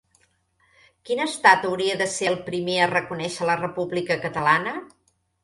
Quin estat hauria de ser el primer a reconèixer la república catalana?